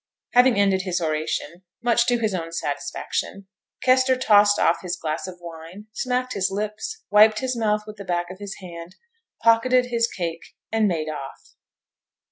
Having ended his oration, much to his own satisfaction, Kester tossed off his glass of wine, smacked his lips, wiped his mouth with the back of his hand, pocketed his cake, and made off.